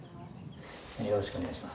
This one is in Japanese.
よろしくお願いします。